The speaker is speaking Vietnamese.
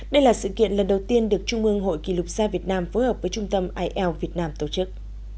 đây là sự kiện lần đầu tiên được trung ương hội kỷ lục gia việt nam phối hợp với trung tâm ielts việt nam tổ chức